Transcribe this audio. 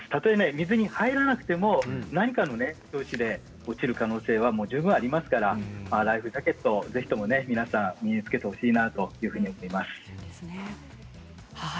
水に入らなくても何かのときに落ちることはありますからライフジャケットをぜひとも身に着けてほしいなと思います。